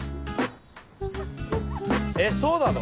えっそうなの？